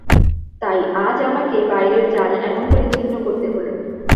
তাই আজ আমাকে বাইরের জাল এমন করে ছিন্ন করতে হল।